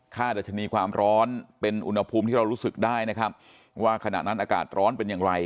ดัชนีความร้อนเป็นอุณหภูมิที่เรารู้สึกได้นะครับว่าขณะนั้นอากาศร้อนเป็นอย่างไร